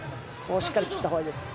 しっかり切ったほうがいいです。